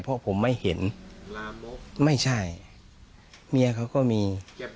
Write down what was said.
เพราะผมไม่เห็นลามกไม่ใช่เมียเขาก็มี